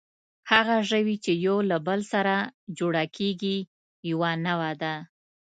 هغه ژوي، چې یو له بل سره جوړه کېږي، یوه نوعه ده.